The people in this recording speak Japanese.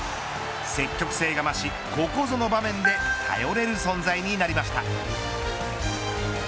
積極性が増し、ここぞの場面で頼れる存在になりました。